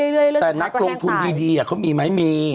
แล้วก็แห้งตาย